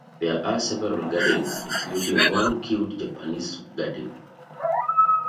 There are several gardens including one cute Japanese garden.